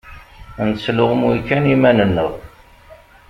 Nesluɣmuy kan iman-nneɣ.